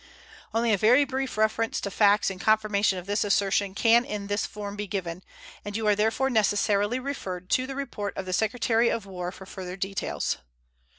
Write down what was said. Only a very brief reference to facts in confirmation of this assertion can in this form be given, and you are therefore necessarily referred to the report of the Secretary of War for further details.